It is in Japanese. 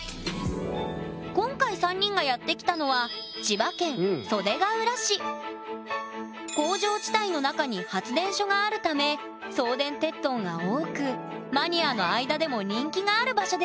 今回３人がやって来たのは工場地帯の中に発電所があるため送電鉄塔が多くマニアの間でも人気がある場所です。